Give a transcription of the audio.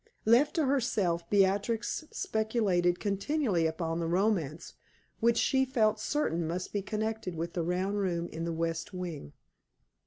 Left to herself, Beatrix speculated continually upon the romance which she felt certain must be connected with the round room in the western wing.